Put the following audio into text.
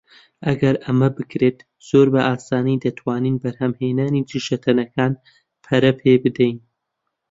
ئەگەر ئەمە بکرێت، زۆر بە ئاسانی دەتوانین بەرهەمهێنانی دژەتەنەکان پەرە پێبدەین.